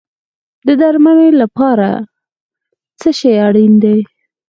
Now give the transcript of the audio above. د درملنې لپاره څه شی اړین دی؟